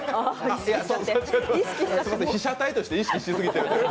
被写体として意識しすぎてる。